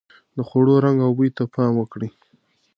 د خوړو رنګ او بوی ته پام وکړئ.